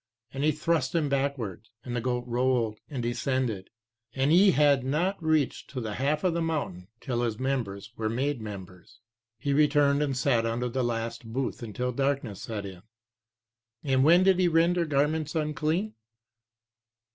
And he thrust him backwards, and the goat rolled, and descended, and he had not reached to the half of the mountain, till his members were made members. 1 He returned and sat under the last booth until darkness set in." "And when did he render garments unclean?"